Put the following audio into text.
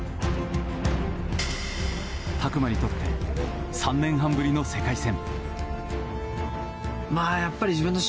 拓真にとって３年半ぶりの世界戦。